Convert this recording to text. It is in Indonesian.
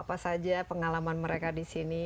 apa saja pengalaman mereka di sini